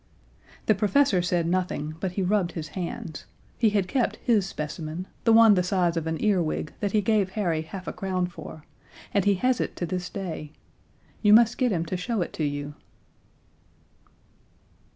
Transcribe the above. The professor said nothing, but he rubbed his hands. He had kept his specimen the one the size of an earwig that he gave Harry half a crown for and he has it to this day. You must get him to show it to you!